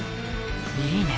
いいね